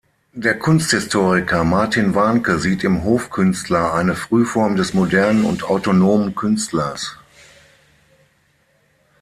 Der Kunsthistoriker Martin Warnke sieht im Hofkünstler eine Frühform des modernen und autonomen Künstlers.